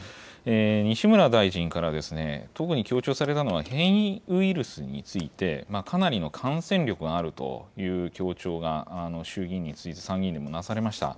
西村大臣から、特に強調されたのは、変異ウイルスについて、かなりの感染力があるという強調が、衆議院に続いて参議院でもなされました。